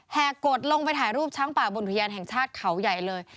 กดลงไปถ่ายรูปช้างป่าบนอุทยานแห่งชาติเขาใหญ่เลย